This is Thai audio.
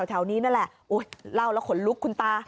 แถวนี้นั่นแหละเล่าแล้วขนลุกคุณตา